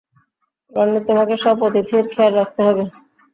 রনি, তোমাকে সব অতিথির, খেয়াল রাখতে হবে।